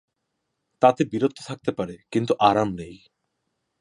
তাতে বীরত্ব থাকতে পারে কিন্তু আরাম নেই।